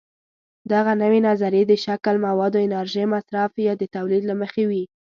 دغه نوې نظریې د شکل، موادو، انرژۍ مصرف یا د تولید له مخې وي.